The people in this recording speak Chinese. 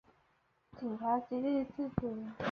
警察极力自制